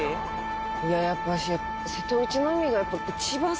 いややっぱし。